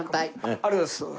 ありがとうございます。